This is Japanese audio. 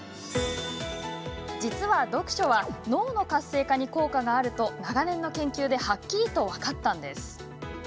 実は、読書は脳の活性化に効果があると長年の研究ではっきりと分かったんです。